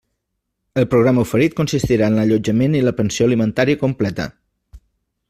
El programa oferit consistirà en l'allotjament i la pensió alimentària completa.